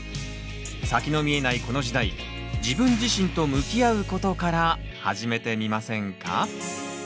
先の見えないこの時代自分自身と向き合うことから始めてみませんか？